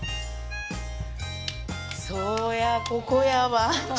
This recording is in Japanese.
そうや、ここやわ！